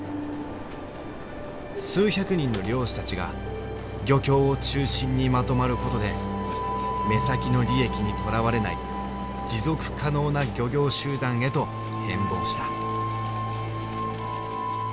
数百人の漁師たちが漁協を中心にまとまることで目先の利益にとらわれない持続可能な漁業集団へと変ぼうした。